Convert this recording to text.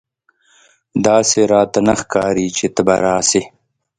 داسي راته نه ښکاري چې ته به راسې !